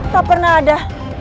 tak pernah ada